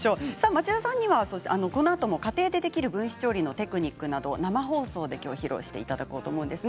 町田さんには、このあとも家庭でできる分子調理のテクニックなど生放送で披露していただこうと思います。